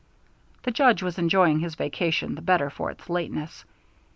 The Judge was enjoying his vacation the better for its lateness.